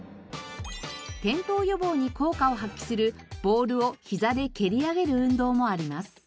転倒予防に効果を発揮するボールをひざで蹴り上げる運動もあります。